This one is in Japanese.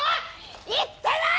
言ってない！